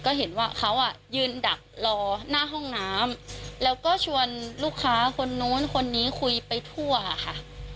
ก็เห็นว่าเขาอ่ะยืนดักรอหน้าห้องน้ำแล้วก็ชวนลูกค้าคนนู้นคนนี้คุยไปทั่วค่ะ